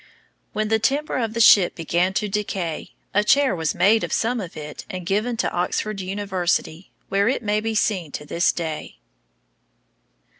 When the timber of the ship began to decay, a chair was made of some of it and given to Oxford University, where it may be seen to this day.